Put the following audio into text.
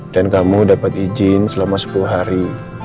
dan kamu dapat izin selama sepuluh hari